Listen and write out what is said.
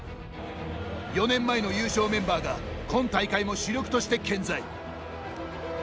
４年前の優勝メンバーが今大会も主力として健在。